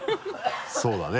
そうだね。